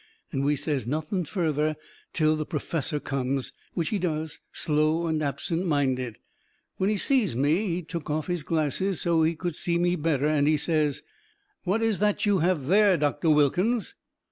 And we says nothing further till the perfessor comes, which he does, slow and absent minded. When he seen me he took off his glasses so's he could see me better, and he says: "What is that you have there, Doctor Wilkins?"